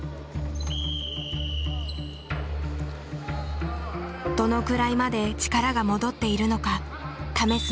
どのくらいまで力が戻っているのか試すのがねらいだ。